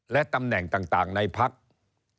และตำแหน่งต่างในพัก